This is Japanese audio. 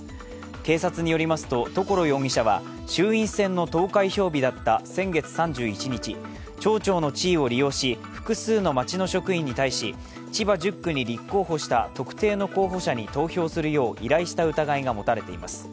警察によりますと、所容疑者は衆院選の投開票日だった先月３１日、町長の地位を利用し複数の町の職員に対し千葉１０区に立候補した特定の候補者に投票するよう依頼した疑いが持たれています。